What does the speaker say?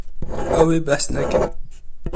Ew ê behs nekin.